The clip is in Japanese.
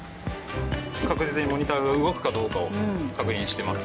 確実にモニターが動くかどうかを確認してます。